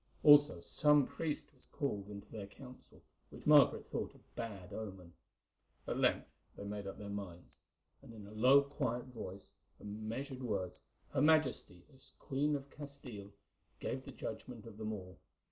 Also, some priest was called into their council, which Margaret thought a bad omen. At length they made up their minds, and in a low, quiet voice and measured words her Majesty, as Queen of Castile, gave the judgment of them all.